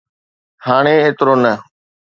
هاڻي ايترو نه.